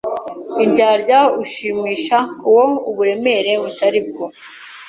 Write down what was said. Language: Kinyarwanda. Indyarya ushimisha uwo uburemere butari bwo